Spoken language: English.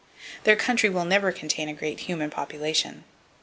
Their country never will contain a great human population.